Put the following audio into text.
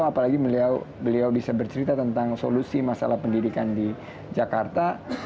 apalagi beliau bisa bercerita tentang solusi masalah pendidikan di jakarta